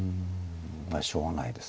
しょうがないです。